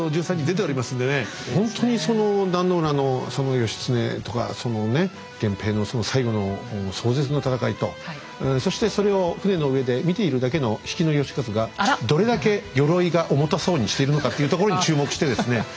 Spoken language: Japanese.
ほんとにその壇の浦の義経とかそのね源平の最後の壮絶な戦いとそしてそれを船の上で見ているだけの比企能員がどれだけ鎧が重たそうにしているのかっていうところに注目してですね